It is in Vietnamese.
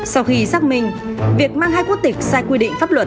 sau khi xác minh việc mang hai quốc tịch sai quy định pháp luật